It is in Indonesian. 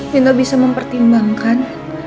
dino bisa mempertimbangkan